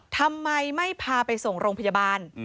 ทำไมไม่พาไปส่งโรงพยาบาล